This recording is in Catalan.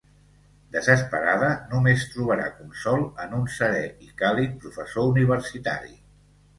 Desesperada, només trobarà consol en un serè i càlid professor universitari.